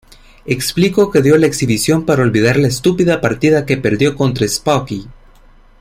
Explicó que dio la exhibición para olvidar la estúpida partida que perdió contra Spassky.